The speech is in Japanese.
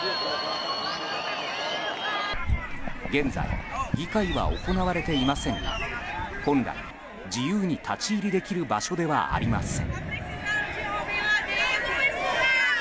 現在、議会は行われていませんが本来、自由に立ち入りできる場所ではありません。